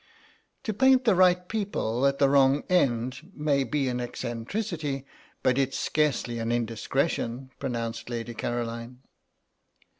"To paint the right people at the wrong end may be an eccentricity, but it is scarcely an indiscretion," pronounced Lady Caroline.